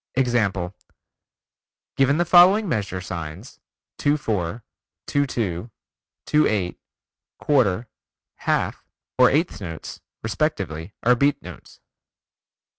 Example Given the following measure signs: 2 4, 2 2, 2 8, quarter, half, or eighth notes, respectively, are beat notes.